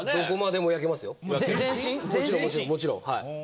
もちろん。